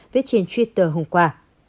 viết trên twitter hôm qua